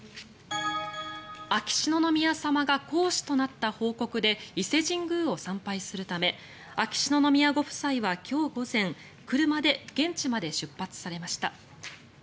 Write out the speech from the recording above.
秋篠宮さまが皇嗣となった報告で伊勢神宮を参拝するため秋篠宮ご夫妻は今日午前車で現地まで出発されました。